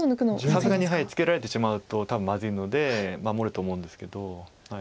さすがにツケられてしまうと多分まずいので守ると思うんですけど。